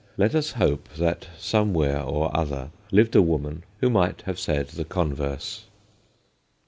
Let us hope that some where or other lived a woman who might have said the converse.